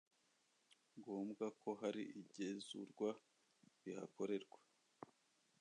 ngombwa ko hari igezurwa rihakorerwa